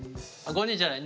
５人じゃない。